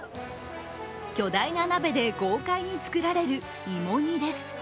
巨大な鍋で豪快に作られる芋煮です。